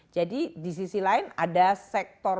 jadi di sisi lain ada sektor